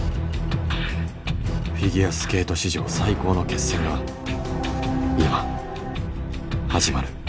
フィギュアスケート史上最高の決戦が今始まる。